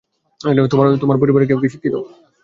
তোমার পরিবারের কেউ কী শিক্ষিত?